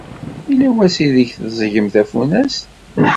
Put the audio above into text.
Yella wass ideg d-teẓẓgem tafunast?